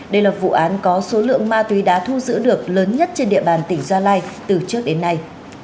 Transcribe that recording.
đây là vụ án có số lượng ma túy đã thu giữ được lớn nhất trên địa bàn tỉnh gia lai từ trước đến nay